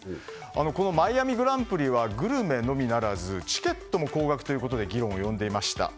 このマイアミ・グランプリはグルメのみならずチケットも高額ということで議論を呼んでいました。